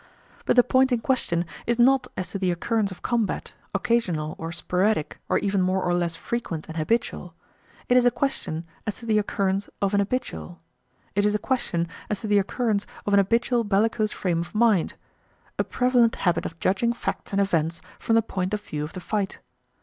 But the point in question is not as to the occurrence of combat, occasional or sporadic, or even more or less frequent and habitual; it is a question as to the occurrence of an habitual; it is a question as to the occurrence of an habitual bellicose frame of mind a prevalent habit of judging facts and events from the point of view of the fight.